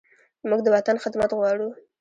موږ د وطن خدمت غواړو.